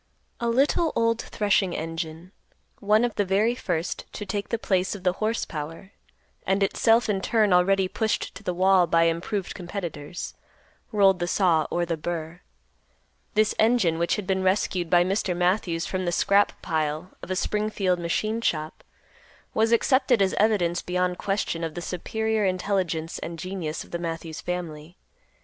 A little old threshing engine, one of the very first to take the place of the horse power, and itself in turn already pushed to the wall by improved competitors, rolled the saw or the burr. This engine, which had been rescued by Mr. Matthews from the scrap pile of a Springfield machine shop, was accepted as evidence beyond question of the superior intelligence and genius of the Matthews family.